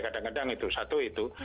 kadang kadang itu satu itu